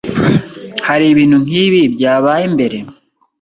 Hari ibintu nkibi byabaye mbere?